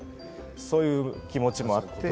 そういう気持ちもあって。